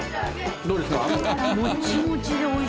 どうですか？